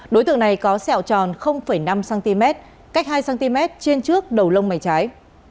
đối tượng này có sẹo tròn năm cm cách hai cm trên trước đầu lông mày trái